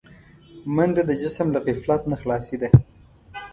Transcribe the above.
منډه د جسم له غفلت نه خلاصي ده